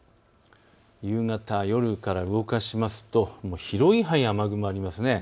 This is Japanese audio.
夕方、夜から動かしますとこの広い範囲に雨雲があります。